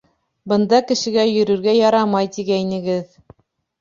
— Бында кешегә йөрөргә ярамай тигәйнегеҙ.